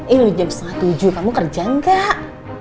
eh lo jam setengah tujuh kamu kerja gak